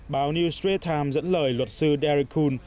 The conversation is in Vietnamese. báo new street times dẫn lời luật sư derek kuhn